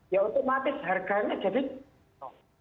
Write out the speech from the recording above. ya otomatis harganya jadi